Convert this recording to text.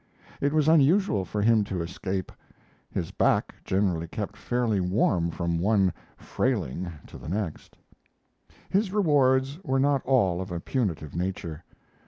It was unusual for him to escape. His back generally kept fairly warm from one "frailing" to the next. His rewards were not all of a punitive nature.